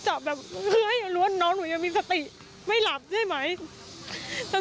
ช่างเคียงไหวก่อนด้วยรับกันที่ไปเมื่อก่อน